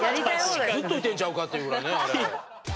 ずっといてんちゃうかっていうぐらいねあれ。